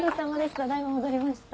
ただ今戻りました。